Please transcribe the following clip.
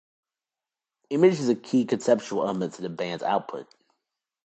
Image is a key conceptual element to the band's output.